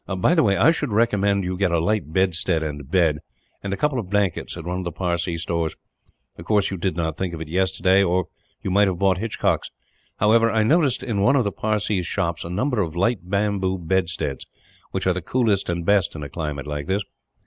"By the way, I should recommend you to get a light bedstead and bed, and a couple of blankets, at one of the Parsee stores. Of course, you did not think of it, yesterday, or you might have bought Hitchcock's. However, I noticed in one of the Parsees' shops a number of light bamboo bedsteads; which are the coolest and best in a climate like this.